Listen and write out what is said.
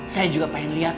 saya juga pengen lihat